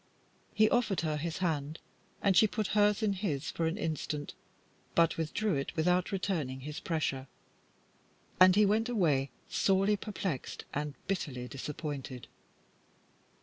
He offered her his hand, and she put hers in his for an instant, but withdrew it without returning his pressure, and he went away, sorely perplexed and bitterly disappointed.